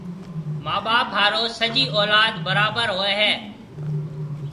مان ٻاپ هارون سجِي اولاد برابر هوئي هيَ۔